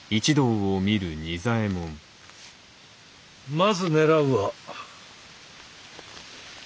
まず狙うは。